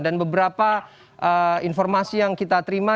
dan beberapa informasi yang kita terima